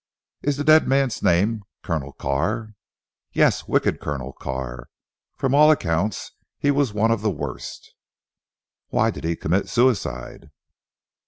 "Is the dead man's name Colonel Carr?" "Yes! Wicked Colonel Carr. From all accounts he was one of the worst." "Why did he commit suicide?"